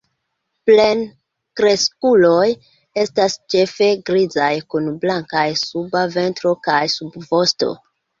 Plenkreskuloj estas ĉefe grizaj kun blankaj suba ventro kaj subvosto.